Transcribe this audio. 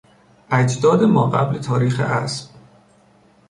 اجداد ماقبل تاریخ اسب